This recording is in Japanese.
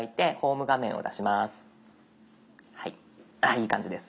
いい感じです。